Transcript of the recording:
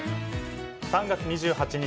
３月２８日